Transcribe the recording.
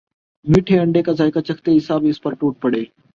میٹھے انڈے کا ذائقہ چکھتے ہی سب اس پر ٹوٹ پڑے